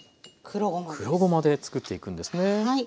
黒ごまでつくっていくんですね。